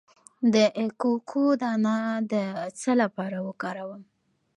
د کوکو دانه د څه لپاره وکاروم؟